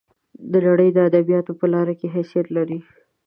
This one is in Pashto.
د نړۍ د ادبیاتو په لار کې حیثیت لري.